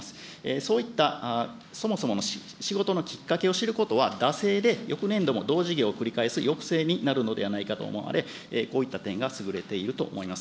そういったそもそもの仕事のきっかけを知ることは惰性で、翌年度も同事業を繰り返す抑制になるのではないかと思われ、こういった点が優れていると思います。